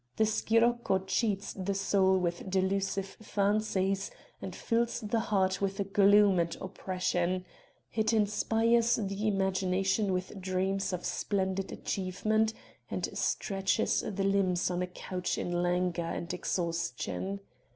The scirocco cheats the soul with delusive fancies and fills the heart with gloom and oppression; it inspires the imagination with dreams of splendid achievement and stretches the limbs on a couch in languor and exhaustion.